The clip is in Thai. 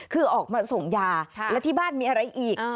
คือออกมาส่งยาและที่บ้านมีอะไรอีก